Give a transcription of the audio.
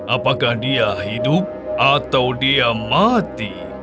apakah dia hidup atau dia mati